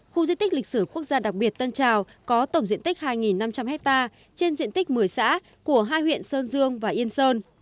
khu di tích lịch sử quốc gia đặc biệt tân trào có tổng diện tích hai năm trăm linh hectare trên diện tích một mươi xã của hai huyện sơn dương và yên sơn